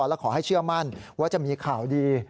และขอให้เชื่อมั่นว่าจะมีข่าวดี